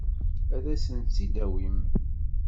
Ad asen-tt-id-tawim?